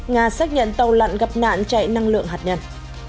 nga xác nhận tàu lặn gặp nạn chạy năng lượng hạt nhân